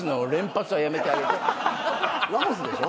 ラモスでしょ？